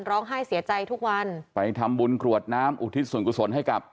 ร้องไห้เสียใจทุกวันไปทำบุญกรวดน้ำอุทิศส่วนกุศลให้กับ